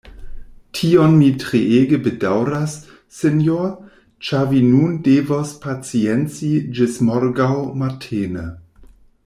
Tion mi treege bedaŭras, señor, ĉar vi nun devos pacienci ĝis morgaŭ matene.